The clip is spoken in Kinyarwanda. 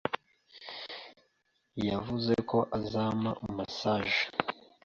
yavuze ko azampa massage.